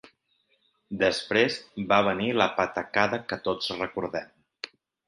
Després va venir la patacada que tots recordem.